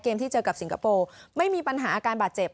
ที่เจอกับสิงคโปร์ไม่มีปัญหาอาการบาดเจ็บ